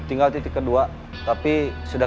angkat kalimat di rumah